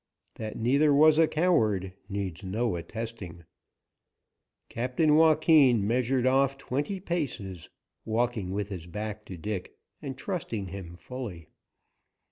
That neither was a coward needs no attesting. Captain Joaquin measured off twenty paces, walking with his back to Dick and trusting him fully.